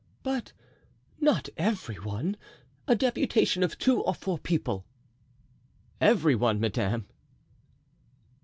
"But not every one; a deputation of two or four people." "Every one, madame."